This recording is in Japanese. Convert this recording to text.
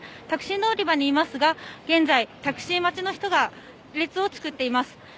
タクシー乗り場にいますが現在、タクシー待ちの人が列を作っています。